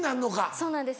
そうなんです